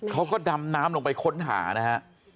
เขาก็ดำน้ำลงไปค้นหานะฮะ